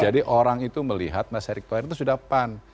jadi orang itu melihat mas erick thohir itu sudah pan